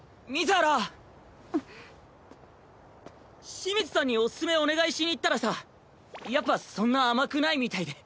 志水さんにおすすめお願いしに行ったらさやっぱそんな甘くないみたいで。